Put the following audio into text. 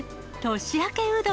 年明けうどん。